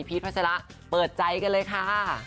พีชพัฒนาเปิดใจกันเลยค่ะ